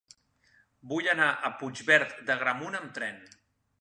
Vull anar a Puigverd d'Agramunt amb tren.